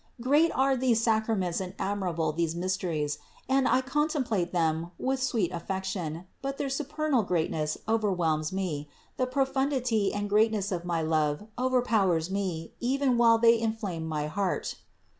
Great are these sacraments and admirable these mysteries; and I contemplate them with sweet affection, but their su pernal greatness overwhelms me, the profundity and the THE INCARNATION 199 greatness of my love overpowers me even while they inflame my heart.